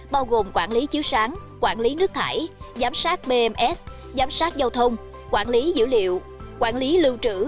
bao gồm quản lý chiếu sáng quản lý nước thải giám sát bms giám sát giao thông quản lý dữ liệu quản lý lưu trữ